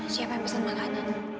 siapa yang pesan makanan